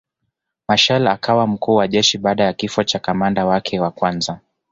Machel akawa mkuu wa jeshi baada ya kifo cha kamanda wake wa kwanza